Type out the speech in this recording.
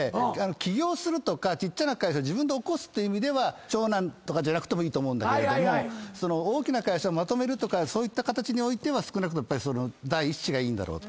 起業するとかちっちゃな会社を自分で起こすっていう意味では長男とかじゃなくてもいいと思うんだけれども大きな会社をまとめるとかそういった形においては少なくとも第一子がいいんだろうと。